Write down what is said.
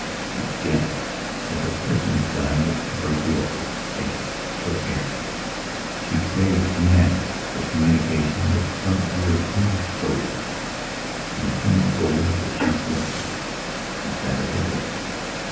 She gasped, as a person dying of tuberculosis gasps for air. She craved madly for communication with some other human soul. And the human soul that she selected was that of the girl.